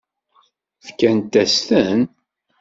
Fkant-as-ten?